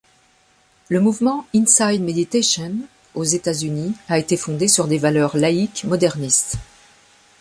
Le mouvement Insight Meditation aux États-Unis a été fondé sur des valeurs laïques modernistes.